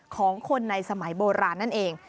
ของคนในสมัยโบราณนั่นเอง